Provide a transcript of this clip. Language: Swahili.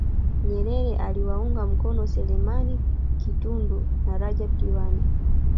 Nyerere aliwaunga mkono Selemani Kitundu na Rajab Diwani